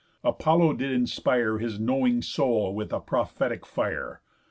Apollo did inspire His knowing soul with a prophetic fire.